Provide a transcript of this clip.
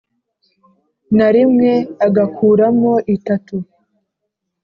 na rimwe agakuramo itatu